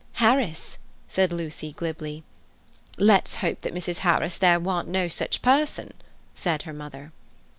"Harris," said Lucy glibly. "Let's hope that Mrs. Harris there warn't no sich person," said her mother.